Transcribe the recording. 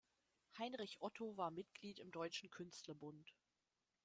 Heinrich Otto war Mitglied im Deutschen Künstlerbund.